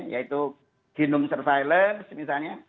yaitu genome surveillance misalnya